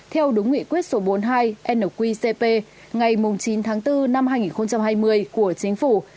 theo đúng nghị quyết số bốn mươi hai nqcp ngày chín tháng bốn năm hai nghìn hai mươi của chính phủ